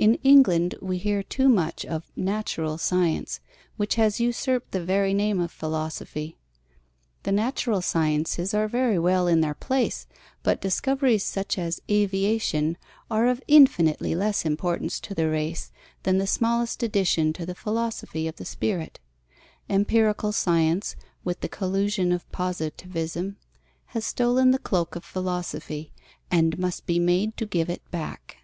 In England we hear too much of (natural) science, which has usurped the very name of Philosophy. The natural sciences are very well in their place, but discoveries such as aviation are of infinitely less importance to the race than the smallest addition to the philosophy of the spirit. Empirical science, with the collusion of positivism, has stolen the cloak of philosophy and must be made to give it back.